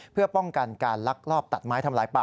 เพื่อป้องกันการลักลอบตัดไม้ทำลายป่า